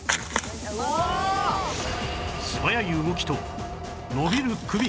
素早い動きと伸びる首